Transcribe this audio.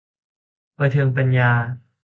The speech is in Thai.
ประเทืองปัญญา